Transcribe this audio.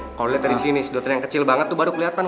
kalo lo liat dari sini sedotnya yang kecil banget tuh baru keliatan